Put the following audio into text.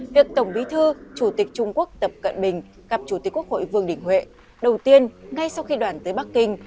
việc tổng bí thư chủ tịch trung quốc tập cận bình gặp chủ tịch quốc hội vương đình huệ đầu tiên ngay sau khi đoàn tới bắc kinh